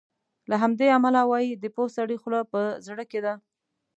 له همدې امله وایي د پوه سړي خوله په زړه کې ده.